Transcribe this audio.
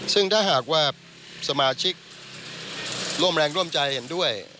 ซึ่งถ้าหากว่าสมาชิกร่วมแรงร่วมใจเห็นด้วย